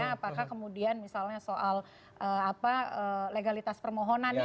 apakah kemudian misalnya soal legalitas permohonannya